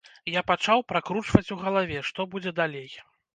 Я пачаў пракручваць у галаве, што будзе далей.